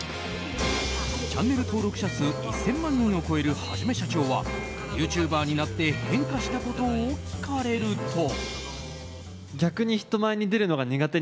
チャンネル登録者数１０００万人を超えるはじめしゃちょーはユーチューバーになって変化したことを聞かれると。